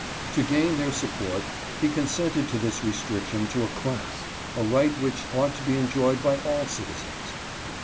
To gain their support he consented to this restriction to a class a right which ought to be enjoyed by all citizens.